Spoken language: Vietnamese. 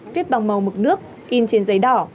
viết bằng màu mực nước in trên giấy đỏ